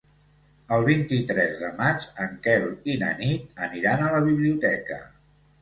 El vint-i-tres de maig en Quel i na Nit aniran a la biblioteca.